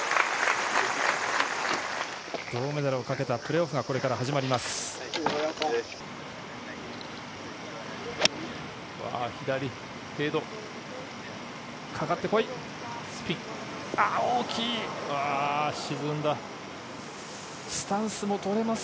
銅メダルをかけたプレーオフがこれから始まります。